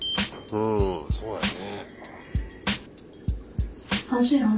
うんそうだよな。